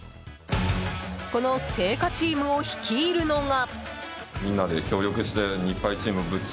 この青果チームを率いるのが。